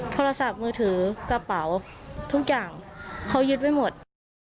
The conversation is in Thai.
โทรศัพท์มือถือกระเป๋าทุกอย่างเขายึดไว้หมด